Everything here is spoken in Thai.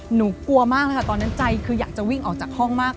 หนูกลัวมากนะคะตอนนั้นใจคืออยากจะวิ่งออกจากห้องมาก